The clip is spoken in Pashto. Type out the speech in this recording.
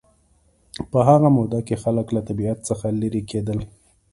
په هغه موده کې خلک له طبیعت څخه لېرې کېدل